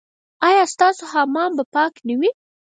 ایا ستاسو حمام به پاک نه وي؟